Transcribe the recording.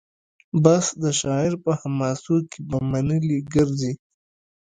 بس د شاعر په حماسو کي به منلي ګرځي